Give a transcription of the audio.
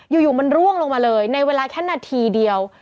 อยู่มันร่วงลงมาเลยในเวลาแค่นาทีเดียว